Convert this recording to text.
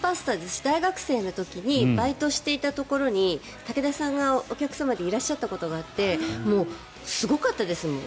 私、大学生の時にバイトしていたところに武田さんがお客様でいらっしゃったことがあってすごかったですもん